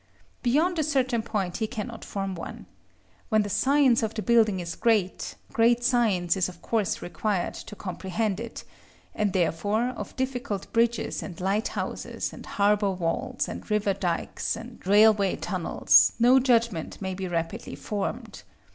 Beyond a certain point he cannot form one. When the science of the building is great, great science is of course required to comprehend it; and, therefore, of difficult bridges, and light houses, and harbor walls, and river dykes, and railway tunnels, no judgment may be rapidly formed.